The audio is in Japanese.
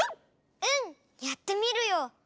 うんやってみるよ！